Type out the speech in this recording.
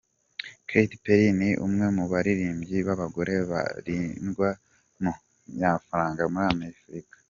Katy Perry ni umwe mu baririmbyi b’abagore babarirwa mu banyamafaranga muri Amerika.